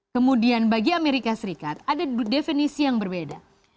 kemudian bagi amerika serikat ada definisi yang berbeda